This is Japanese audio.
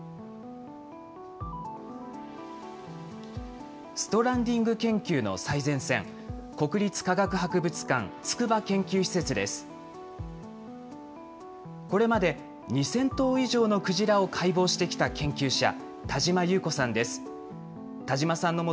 これまで２０００頭以上のクジラを解剖してきた研究者、田島木綿子さんです。